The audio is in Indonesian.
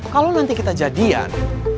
kalo nanti kita jadian